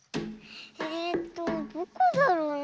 えっとどこだろうねえ。